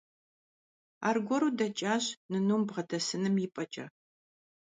Аргуэру дэкӀащ, нынум бгъэдэсыным ипӀэкӀэ.